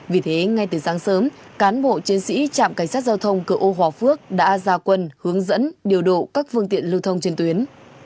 vì thế ngay từ sáng sớm cán bộ chiến sĩ trạm cảnh sát giao thông cửa ô hòa phước đã ra quân hướng dẫn điều độ các phương tiện lưu thông trên tuyến